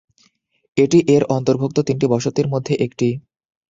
এটি এর অন্তর্ভুক্ত তিনটি বসতির মধ্যে একটি।